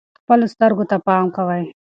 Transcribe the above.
خپلو سترګو ته پام کوئ.